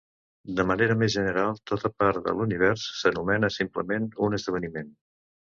De manera més general, tota part de l'univers s'anomena simplement un esdeveniment.